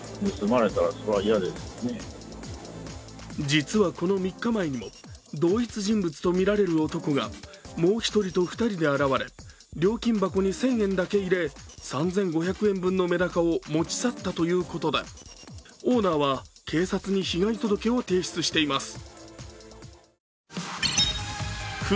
実は、この３日前にも同一人物とみられる男がもう１人と２人で現れ料金箱に１０００円だけ入れ３５００円分のめだかを持ち去ったということでオーナーは警察に被害届を提出しています。